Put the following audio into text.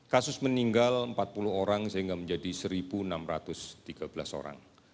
kasus meninggal empat puluh orang sehingga menjadi satu enam ratus tiga belas orang